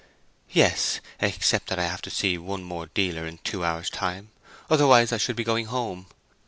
"Yes, except that I have to see one more dealer in two hours' time: otherwise I should be going home.